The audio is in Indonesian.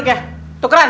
pindah ke sini